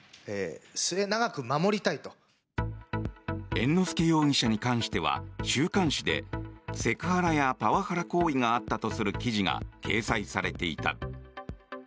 猿之助容疑者に関しては週刊誌でセクハラやパワハラ行為があったとする記事が掲載されていた。